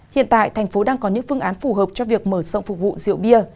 hiện tại thành phố đang có những phương án phù hợp cho việc mở rộng phục vụ rượu bia